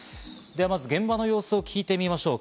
ではまず現場の様子を聞いてみましょう。